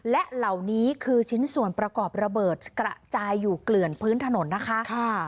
และเหล่านี้คือชิ้นส่วนประกอบระเบิดกระจายอยู่เกลื่อนพื้นถนนนะคะ